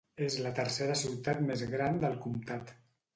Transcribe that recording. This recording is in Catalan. És la tercera ciutat més gran del comtat.